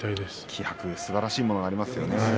気迫はすばらしいものがありますね。